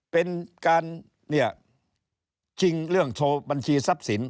เป็นการเนี่ยชิงเรื่องโทรบัญชีทรัพย์สิน